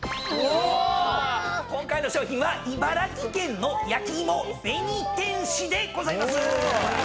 今回の賞品は茨城県の焼き芋紅天使でございます！